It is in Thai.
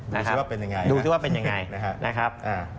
ดูชื่อว่าเป็นยังไงนะครับ